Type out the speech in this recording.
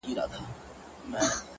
هره پوښتنه د پوهېدو زینه ده